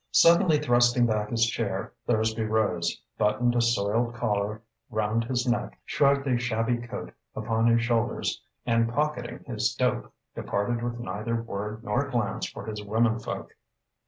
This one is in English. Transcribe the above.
Suddenly thrusting back his chair, Thursby rose, buttoned a soiled collar round his neck, shrugged a shabby coat upon his shoulders and, pocketing his dope, departed with neither word nor glance for his womenfolk.